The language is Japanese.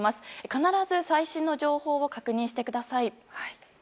必ず最新の情報を確認してください。